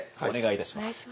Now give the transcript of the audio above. お願いいたします。